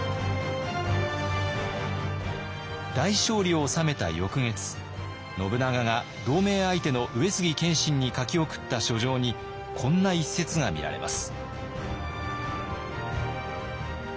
大勝利を収めた翌月信長が同盟相手の上杉謙信に書き送った書状にこんな一説が見られます。